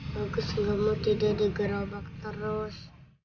bagus kamu tidak digerobak terus